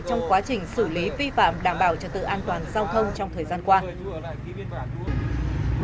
trong quá trình xử lý vi phạm đảm bảo trật tự an toàn giao thông trong thời gian qua